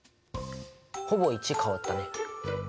ほぼ１変わったね。